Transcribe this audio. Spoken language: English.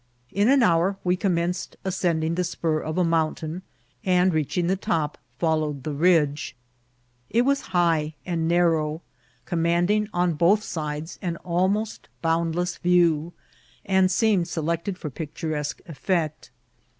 In an hour we commenced ascending the spur of a mountain ; and, reaching the top, followed the ridge. It was high and narrow, commanding on both sides an almost bound less view, and seemed selected for picturesque effect.